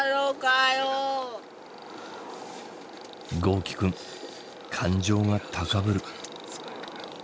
豪輝くん感情が高ぶる。